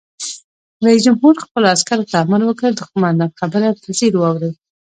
رئیس جمهور خپلو عسکرو ته امر وکړ؛ د قومندان خبره په ځیر واورئ!